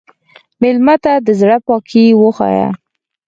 مېلمه ته د زړه پاکي وښیه.